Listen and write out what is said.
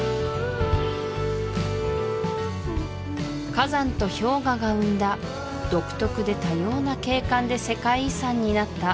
火山と氷河が生んだ独特で多様な景観で世界遺産になった